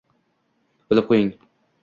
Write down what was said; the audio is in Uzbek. Bilib qo’ying